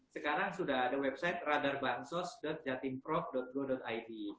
sekarang sudah ada website radarbansos jatimprov go id